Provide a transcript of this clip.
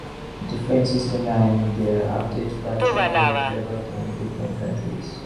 Different systems and their updates were generally favoured in different countries.